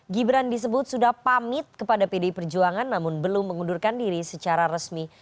gibran disebut sudah pamit kepada pdi perjuangan namun belum mengundurkan diri secara resmi